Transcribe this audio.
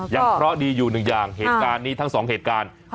เคราะห์ดีอยู่หนึ่งอย่างเหตุการณ์นี้ทั้งสองเหตุการณ์